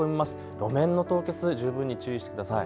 路面の凍結、十分に注意してください。